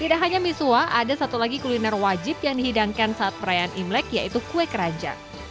tidak hanya misua ada satu lagi kuliner wajib yang dihidangkan saat perayaan imlek yaitu kue keranjang